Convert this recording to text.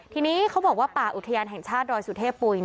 ทีนี้เขาบอกว่าป่าอุทยานแห่งชาติดอยสุเทพปุ๋ย